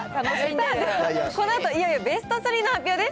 このあと、いよいよベストスリーの発表です。